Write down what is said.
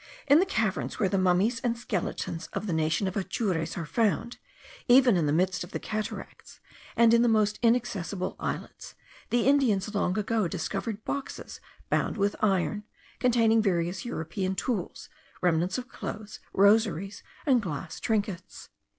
In the caverns where the mummies and skeletons of the nation of the Atures are found, even in the midst of the cataracts, and in the most inaccessible islets, the Indians long ago discovered boxes bound with iron, containing various European tools, remnants of clothes, rosaries, and glass trinkets.